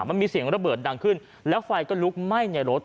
มันมีเสียงระเบิดดังขึ้นแล้วไฟก็ลุกไหม้ในรถ